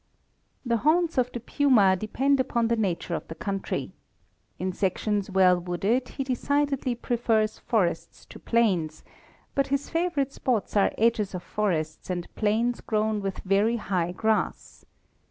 The haunts of the puma depend upon the nature of the country. In sections well wooded he decidedly prefers forests to plains; but his favorite spots are edges of forests and plains grown with very high grass.